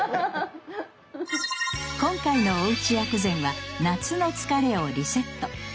今回のおうち薬膳は「夏の疲れをリセット」。